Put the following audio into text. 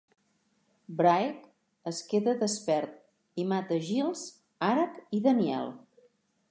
Bryagh es queda despert i mata Giles, Aragh i Danielle.